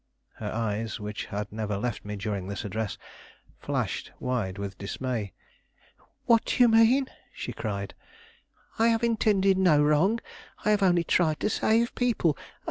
Her eyes, which had never left me during this address, flashed wide with dismay. "What do you mean?" she cried. "I have intended no wrong; I have only tried to save people.